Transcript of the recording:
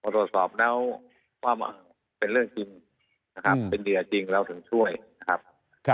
ตรวจสอบแล้วว่าเป็นเรื่องจริงนะครับเป็นเหยื่อจริงเราถึงช่วยนะครับ